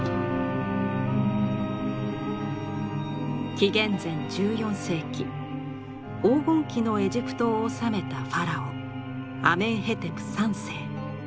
紀元前１４世紀黄金期のエジプトを治めたファラオアメンヘテプ３世。